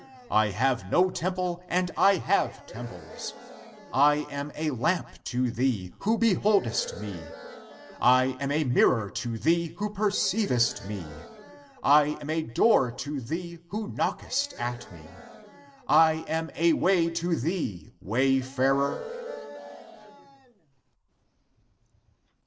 Amen. I have no temple, and I have temples. Amen. I am a lamp to thee, who beholdest me. Amen. I am a mirror ^ to thee who perceivest me. Amen. I am a door to thee who knockest at me. Amen, I am a way to thee, wayfarer.